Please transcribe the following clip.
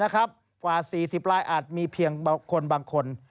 กว่า๔๐ลายอาจมีเพียงคนบางคน